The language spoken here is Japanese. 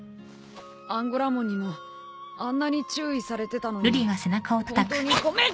アンゴラモンにもあんなに注意されてたのに本当にごめ。